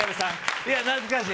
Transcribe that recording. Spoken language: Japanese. いや、懐かしい。